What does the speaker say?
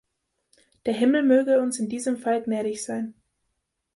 Der Himmel möge uns in diesem Fall gnädig sein!